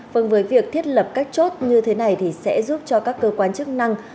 vâng với việc thiết lập các chốt như thế này thì sẽ giúp cho các cơ quan chức năng